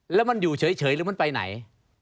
แล้วมันอยู่เฉยหรือมันไปไหน